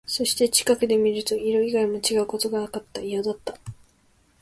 そして、近くで見ると、色以外も違うことがわかった。異様だった。